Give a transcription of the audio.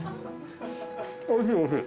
おいしいおいしい。